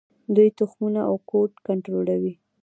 دوی تخمونه او کود کنټرولوي.